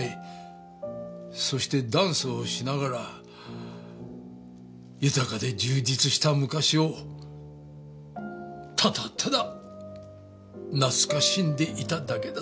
そしてダンスをしながら豊かで充実した昔をただただ懐かしんでいただけだった。